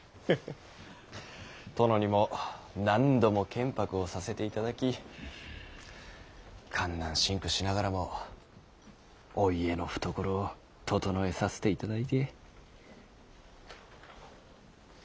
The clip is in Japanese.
殿にも何度も建白をさせていただき艱難辛苦しながらもお家の懐をととのえさせていただいて。